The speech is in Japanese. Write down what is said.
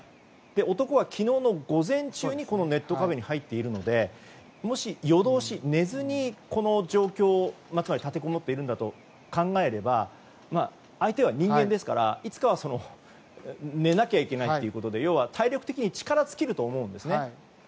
男は昨日の午前中にこのネットカフェに入っているのでもし夜通し寝ずにこの状況立てこもっているのだと考えれば相手は人間ですから、いつか寝なきゃいけないということで要は、体力的に力尽きると思うんですね。